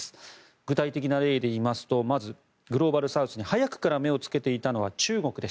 具体的な例で言いますとまずグローバルサウスに早くから目をつけていたのは中国です。